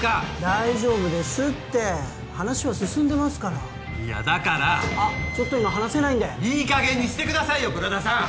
大丈夫ですって話は進んでますからいやだからあっちょっと今話せないんでいい加減にしてくださいよ黒田さん！